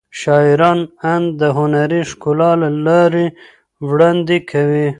شاعران اند د هنري ښکلا له لارې وړاندې کوي.